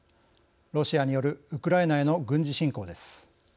ロシアによるウクライナへの軍事侵攻です。